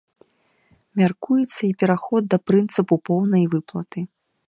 Мяркуецца і пераход да прынцыпу поўнай выплаты.